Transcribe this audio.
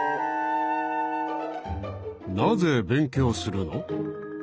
なぜ勉強するの？